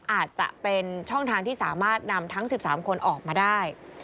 อาจจะเป็นช่องทางที่สามารถนำทั้ง๑๓คนออกมาได้